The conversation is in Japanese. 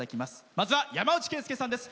まずは山内惠介さんです。